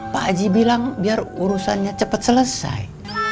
pak haji bilang biar urusannya cepat selesai